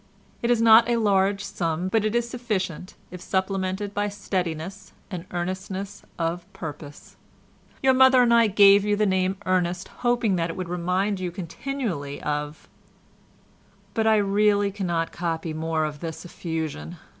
It is not a large sum, but it is sufficient if supplemented by steadiness and earnestness of purpose. Your mother and I gave you the name Ernest, hoping that it would remind you continually of—" but I really cannot copy more of this effusion.